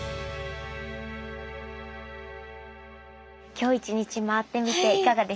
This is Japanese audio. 今日一日回ってみていかがでしたか？